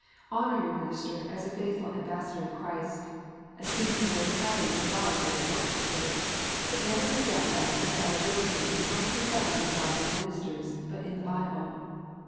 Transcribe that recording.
Honour your minister as a faithful ambassador of Christ. Esteem him very highly in love for his work s sake. But never forget that infallibility is not to be found in godly ministers, but in the Bible.